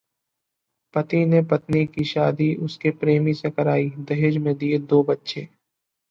पति ने पत्नी की शादी उसके प्रेमी से कराई, दहेज में दिए दो बच्चे!